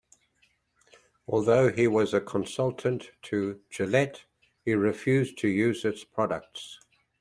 Although he was a consultant to Gillette, he refused to use its products.